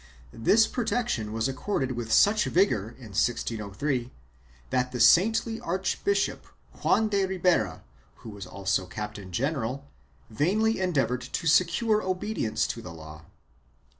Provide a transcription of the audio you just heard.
This protection was accorded with such vigor in 1603, that the saintly Archbishop, Juan de Ribera, who was also captain general, vainly endeavored to secure obedience to the law.